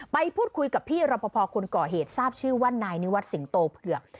ไปพูดคุยกับพี่รอปภคนก่อเหตุทราบชื่อว่านายนิวัตรสิงโตเผือก